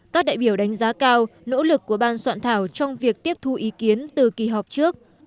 các đại biểu đánh giá cao nỗ lực của ban soạn thảo trong việc tiếp thu ý kiến từ kỳ họp trước